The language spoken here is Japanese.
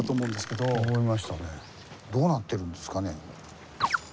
どうなってるんですかね？